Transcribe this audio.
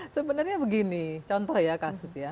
sebenarnya begini contoh ya kasus ya